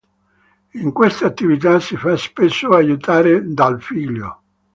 In queste attività si fa spesso aiutare dal figlio.